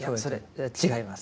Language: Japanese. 違います。